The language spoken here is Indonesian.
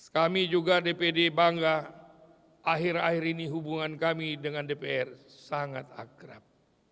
kami juga dpd bangga akhir akhir ini hubungan kami dengan dpr sangat akrab